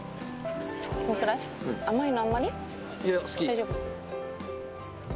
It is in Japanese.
大丈夫？